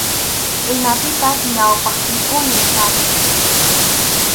Imapipas ñawpaqpipuni kachkan.